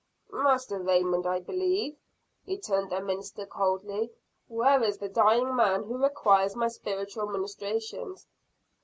"Master Raymond, I believe," returned the minister coldly. "Where is the dying man who requires my spiritual ministrations?"